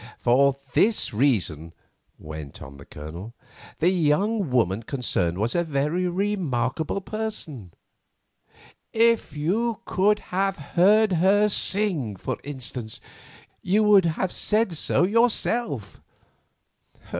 "For this reason," went on the Colonel; "the young woman concerned was a very remarkable person; if you could have heard her sing, for instance, you would have said so yourself.